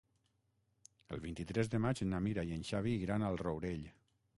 El vint-i-tres de maig na Mira i en Xavi iran al Rourell.